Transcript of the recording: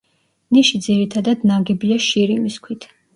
ნიში ძირითადად ნაგებია შირიმის ქვით.